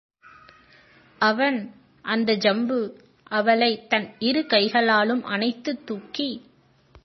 அவன் அந்த ஜம்பு அவளைத் தன் இரு கைகளாலும் அணைத்துத் தூக்கி.......